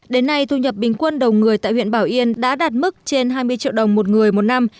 đến nay thu nhập bình quân đầu người tại huyện bảo yên đã đạt mức trên hai mươi triệu đồng một người một năm